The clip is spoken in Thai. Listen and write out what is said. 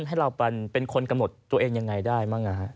ให้เราเป็นคนกำหนดตัวเองยังไงได้บ้าง